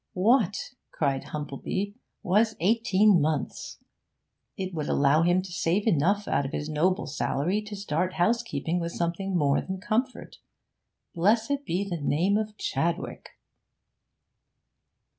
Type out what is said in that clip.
'What,' cried Humplebee, 'was eighteen months? It would allow him to save enough out of his noble salary to start housekeeping with something more than comfort. Blessed be the name of Chadwick!'